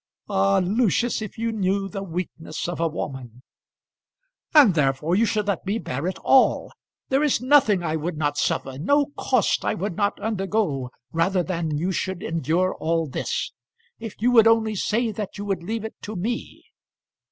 "Ah, Lucius, if you knew the weakness of a woman!" "And therefore you should let me bear it all. There is nothing I would not suffer; no cost I would not undergo rather than you should endure all this. If you would only say that you would leave it to me!"